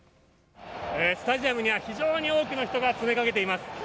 スタジアムには非常に多くの人が詰めかけています。